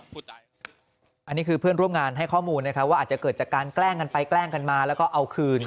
เพื่อนร่วมงานร่วมงานให้ข้อมูลนะครับว่าเกิดจะการแกล้งกันไปแกล้งกันมาแล้วก็เอาคืน